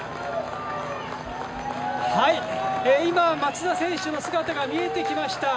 今、松田選手の姿が見えてきました。